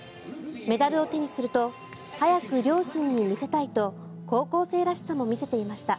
メダルを手にすると早く両親に見せたいと高校生らしさも見せていました。